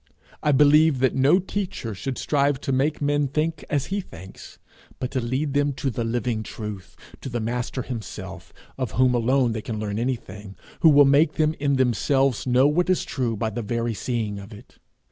I believe that no teacher should strive to make men think as he thinks, but to lead them to the living Truth, to the Master himself, of whom alone they can learn anything, who will make them in themselves know what is true by the very seeing of it.